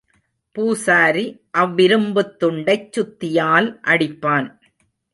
பூசாரி அவ்விரும்புத் துண்டைச் சுத்தியால் அடிப்பான்.